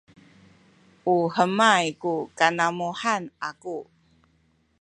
u hemay ku kanamuhan aku